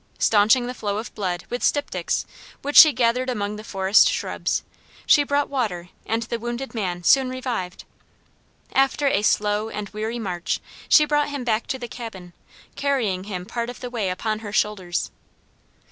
Staunching the flow of blood with styptics which she gathered among the forest shrubs, she brought water and the wounded man soon revived. After a slow and weary march she brought him back to the cabin, carrying him part of the way upon her shoulders.